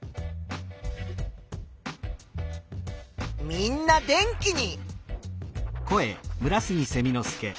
みんな電気に！